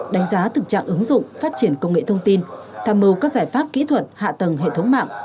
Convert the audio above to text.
đánh giá thực trạng ứng dụng phát triển công nghệ thông tin tham mưu các giải pháp kỹ thuật hạ tầng hệ thống mạng